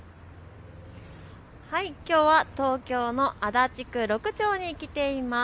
きょうは東京の足立区六町に来ています。